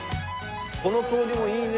この通りもいいね。